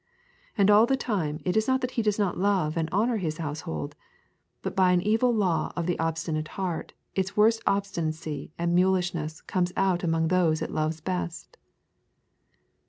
And all the time it is not that he does not love and honour his household; but by an evil law of the obstinate heart its worst obstinacy and mulishness comes out among those it loves best.